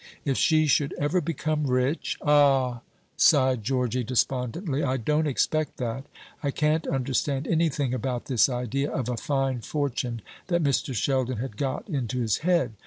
If she should ever become rich " "Ah," sighed, Georgy despondently, "I don't expect that. I can't understand anything about this idea of a fine fortune that Mr. Sheldon had got into his head.